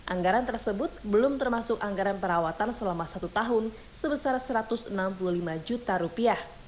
anggaran tersebut belum termasuk anggaran perawatan selama satu tahun sebesar satu ratus enam puluh lima juta rupiah